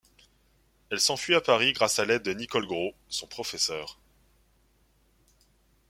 Elle s'enfuit à Paris grâce à l'aide de Nicole Gros, son professeur.